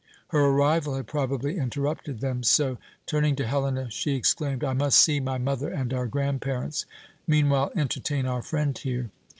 Her arrival had probably interrupted them so, turning to Helena, she exclaimed: "I must see my mother and our grandparents. Meanwhile entertain our friend here.